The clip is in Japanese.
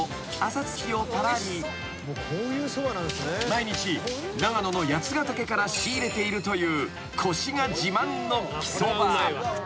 ［毎日長野の八ヶ岳から仕入れているというコシが自慢の生そば］